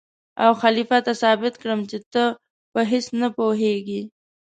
او خلیفه ته ثابت کړم چې ته په هېڅ نه پوهېږې.